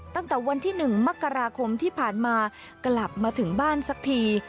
ตั้งแต่วันที่๑มกราคมที่ผ่านมากลับมาถึงบ้านสักที